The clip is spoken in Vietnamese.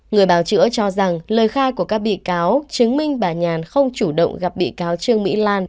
người bào chữa cho rằng lời khai của các bị cáo chứng minh bà nhàn không chủ động gặp bị cáo trương mỹ lan